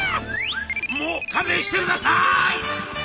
「もう勘弁してください！」。